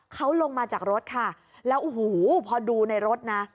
เขาลงมาจากรถค่ะแล้วโอ้โหพอดูในรถนะ